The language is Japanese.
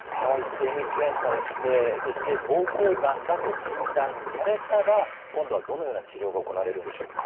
精密検査をしてそして膀胱がんだと診断されたら今度はどのような治療が行われるんでしょうか。